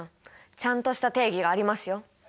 ちゃんとした定義がありますよ。